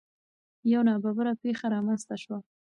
یو نا ببره پېښه رامنځ ته شوه.